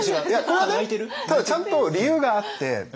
これはねただちゃんと理由があって。